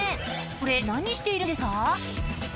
これ何しているんですか？